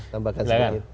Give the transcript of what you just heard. tambah ke sana